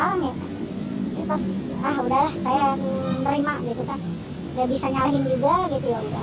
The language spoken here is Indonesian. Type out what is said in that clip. ternyata saya kena ini juga